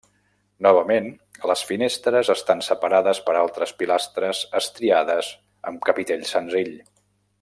Novament, les finestres estan separades per altres pilastres estriades amb capitell senzill.